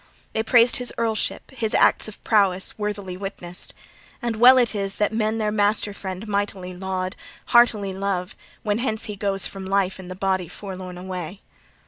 They praised his earlship, his acts of prowess worthily witnessed: and well it is that men their master friend mightily laud, heartily love, when hence he goes from life in the body forlorn away.